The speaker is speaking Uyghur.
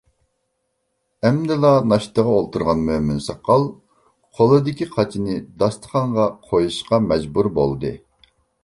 ئەمدىلا ناشتىغا ئولتۇرغان مۆمىن ساقال قولىدىكى قاچىنى داستىخانغا قويۇشقا مەجبۇر بولدى.